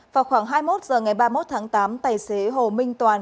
vào khoảng hai mươi một h ngày ba mươi một tháng tám tài xế hồ minh toàn